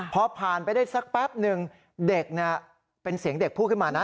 พอผ่านไปได้สักแป๊บหนึ่งเด็กเป็นเสียงเด็กพูดขึ้นมานะ